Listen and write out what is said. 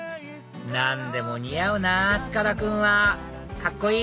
何でも似合うなぁ塚田君はカッコいい！